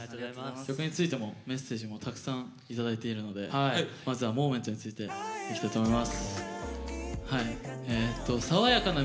曲についてのメッセージもたくさんいただいているのでまずは「Ｍｏｍｅｎｔ」についていきたいと思います。